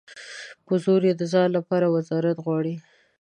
په زور یې د ځان لپاره وزارت غواړي.